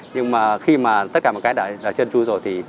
nhưng mà khi mà tất cả một cái đã trơn tru rồi